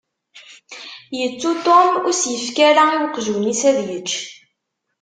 Yettu Tom ur s-yefki ara i weqjun-is ad yečč.